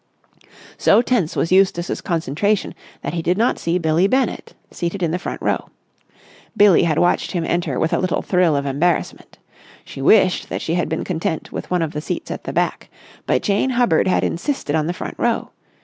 So tense was Eustace's concentration that he did not see Billie Bennett, seated in the front row. Billie had watched him enter with a little thrill of embarrassment. She wished that she had been content with one of the seats at the back. But Jane Hubbard had insisted on the front row.